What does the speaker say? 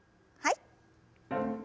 はい。